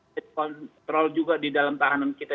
kita dikontrol juga di dalam tahanan kita